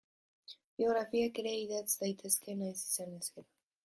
Biografiak ere idatz daitezke nahi izanez gero.